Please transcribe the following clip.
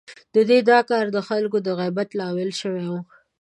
د ده دا کار د خلکو د غيبت لامل شوی و.